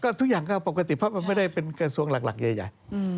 คือทุกอย่างปกติข้ามันได้เป็นกระทรวงหลักใหญ่